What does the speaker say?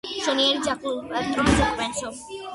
მშიერი ძაღლი პატრონს უკბენსო